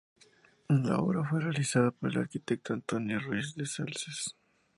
La obra fue realizada por el arquitecto Antonio Ruiz de Salces.